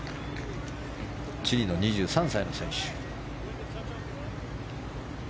チリの２３歳の選手。